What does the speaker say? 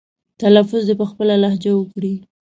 تلفظ دې په خپله لهجه وکړي.